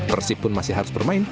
persib pun masih harus bermain